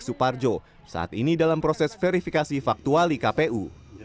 suparjo saat ini dalam proses verifikasi faktuali kpu